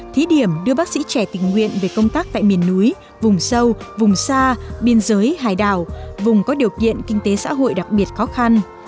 thí điểm đưa bác sĩ trẻ tình nguyện về công tác tại miền núi vùng sâu vùng xa biên giới hải đảo vùng có điều kiện kinh tế xã hội đặc biệt khó khăn